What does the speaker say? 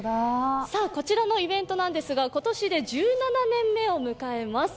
こちらのイベントなんですが、今年で１７年目を迎えます。